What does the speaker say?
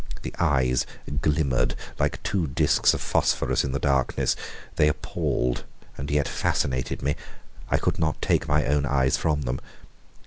The eyes glimmered like two disks of phosphorus in the darkness. They appalled and yet fascinated me. I could not take my own eyes from them.